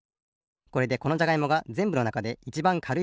これでこのじゃがいもがぜんぶのなかでいちばんかるいじゃがいも